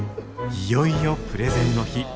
いよいよプレゼンの日。